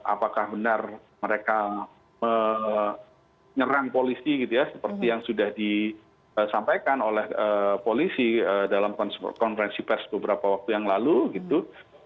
apakah benar mereka menyerang polisi gitu ya seperti yang sudah disampaikan oleh polisi dalam konferensi pers beberapa waktu yang lalu gitu